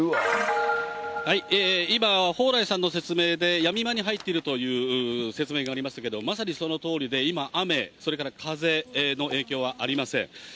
今、蓬莱さんの説明で、やみ間に入っているという説明がありましたけど、まさにそのとおりで、今、雨、それから風の影響はありません。